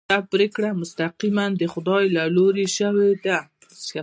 دې پرېکړه مستقیماً د خدای له لوري شوې ده.